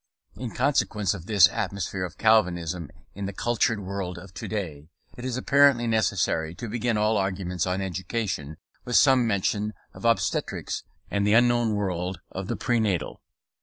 In consequence of this atmosphere of Calvinism in the cultured world of to day, it is apparently necessary to begin all arguments on education with some mention of obstetrics and the unknown world of the prenatal.